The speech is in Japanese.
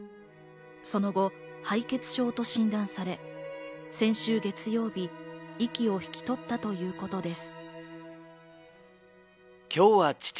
その後、敗血症と診断され、先週月曜日、息を引き取ったということです。